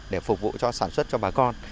để phục vụ sản xuất cho bà con